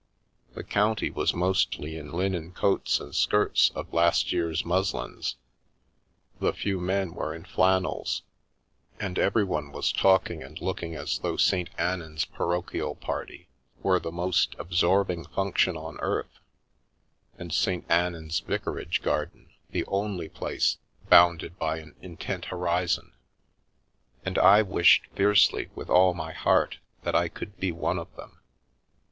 The " county " was mostly in linen coats and skirts or last year's muslins, the few men were in flannels; and everyone was talking and looking as though St. Annan's parochial party were the most ab sorbing function on earth and St. Annan's vicarage garden the only place bounded by an intent horizon. And I wished fiercely, with all my heart, that I could be one of them.